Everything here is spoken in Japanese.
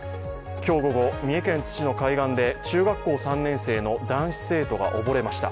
今日午後、三重県津市の海岸で中学校３年生の男子生徒が溺れました。